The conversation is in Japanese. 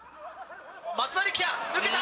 松田力也、抜けた！